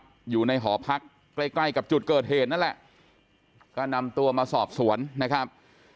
คุณผู้ชมครับอยู่ในหอพักใกล้กับจุดเกิดเหตุนั่นแหละก็นำตัวมาสอบสวนนะครับ